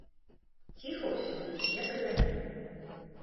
Ціха ўсё, як і раней.